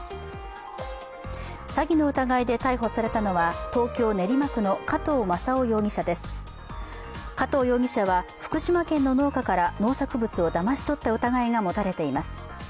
詐欺の疑いで逮捕されたのは東京・練馬区の加藤正夫容疑者です加藤容疑者は福島県の農家から農作物をだまし取った疑いが持たれています。